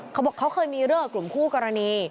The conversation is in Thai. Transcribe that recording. เขาบอกเขาเคยมีเรื่องกับกลุ่มคู่กรณี